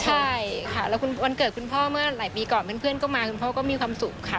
ใช่ค่ะแล้ววันเกิดคุณพ่อเมื่อหลายปีก่อนเพื่อนก็มาคุณพ่อก็มีความสุขค่ะ